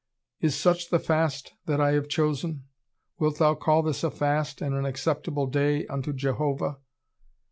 "Is such the fast that I have chosen? wilt thou call this a fast and an acceptable day unto Jehovah?"